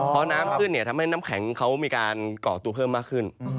พอน้ำขึ้นทำให้น้ำแข็งเขามีการก่อตัวเพิ่มมากขึ้น